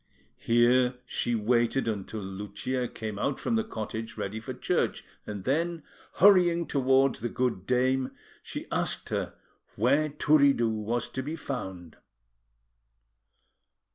Here she waited until Lucia came out from the cottage, ready for church; and then, hurrying towards the good dame, she asked her where Turiddu was to be found.